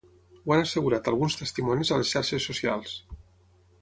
Ho han assegurat alguns testimonis a les xarxes socials.